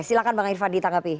silakan bang irfan ditanggapi